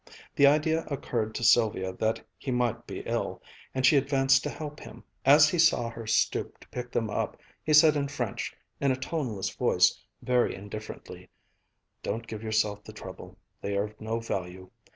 The idea occurred to Sylvia that he might be ill, and she advanced to help him. As he saw her stoop to pick them up, he said in French, in a toneless voice, very indifferently: "Don't give yourself the trouble. They are of no value.